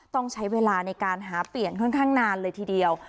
ต้องใช้เวลาในการหาเปลี่ยนค่อนข้างนานเลยทีเดียว